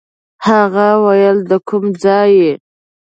هغه ویل د کوم ځای یې.